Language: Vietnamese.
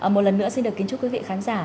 một lần nữa xin được kính chúc quý vị khán giả